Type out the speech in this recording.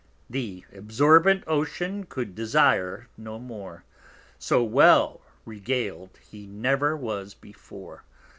Th' absorbent Ocean could desire no more; So well regal'd he never was before.